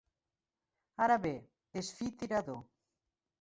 Ara bé, és fi tirador.